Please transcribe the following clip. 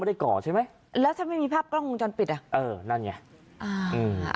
ได้ก่อใช่ไหมแล้วถ้าไม่มีภาพกล้องวงจรปิดอ่ะเออนั่นไงอ่าอืม